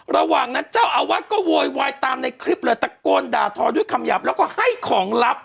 ระหว่างนั้นเจ้าอาวาสก็โวยวายตามในคลิปเลยตะโกนด่าทอด้วยคำหยาบแล้วก็ให้ของลับ